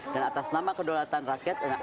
dan atas nama kedolatan rakyat